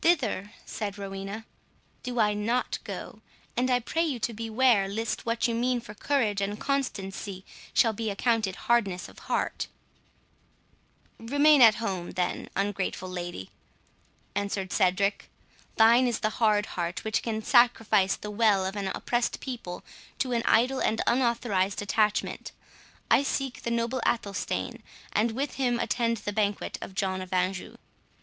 "Thither," said Rowena, "do I NOT go; and I pray you to beware, lest what you mean for courage and constancy, shall be accounted hardness of heart." "Remain at home, then, ungrateful lady," answered Cedric; "thine is the hard heart, which can sacrifice the weal of an oppressed people to an idle and unauthorized attachment. I seek the noble Athelstane, and with him attend the banquet of John of Anjou."